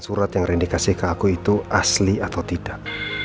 surat yang rendikasi ke aku itu asli atau tidak